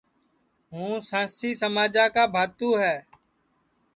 ہُوں سانٚسی سماجا کا بھاتُو ہے